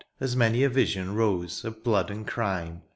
As many a vision rose of blood and crime.